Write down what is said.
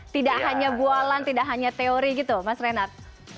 tidak hanya bualan tidak hanya teori gitu mas renat